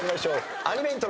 アニメイントロ。